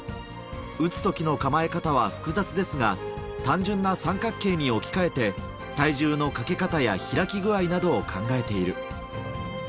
打つときの構え方は複雑ですが、単純な三角形に置き換えて、体重のかけ方や開き具合などを考えている。